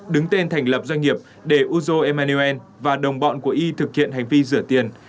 đứng tên thành lập doanh nghiệp để uzo emmanuel và đồng bọn của y thực hiện hành vi rửa tiền